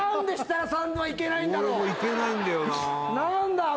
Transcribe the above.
俺もいけないんだよなあ